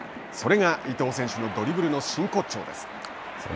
それが伊東選手のドリブルの真骨頂です。